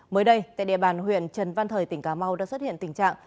mới đây tại địa bàn huyện trần văn thời tỉnh cà mau đã xuất hiện tình trạng